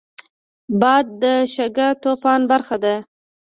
باد د شګهطوفان برخه ده